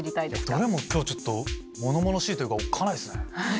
どれも今日ちょっと物々しいというかおっかないですね。